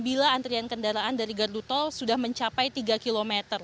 bila antrian kendaraan dari gardu tol sudah mencapai tiga km